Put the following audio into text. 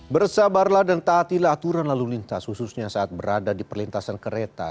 bersabarlah dan taatilah aturan lalu lintas khususnya saat berada di perlintasan kereta